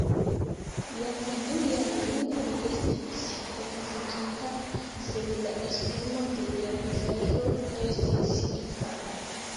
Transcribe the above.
Jam du jarojn li estis edzigita, sed la esprimo de lia vizaĝo restis infana.